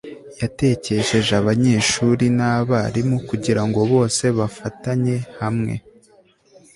yatekesheje abanyeshuri nabarimu kugirango bose bafatanye hamwe